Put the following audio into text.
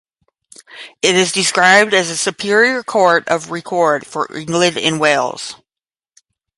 It is described as a "superior court of record" for England and Wales.